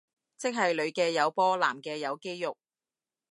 即係女嘅有波男嘅有肌肉